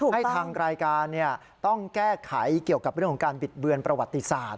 ให้ทางรายการต้องแก้ไขเกี่ยวกับเรื่องของการบิดเบือนประวัติศาสตร์